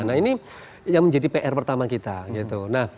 nah ini yang menjadi pr pertama kita gitu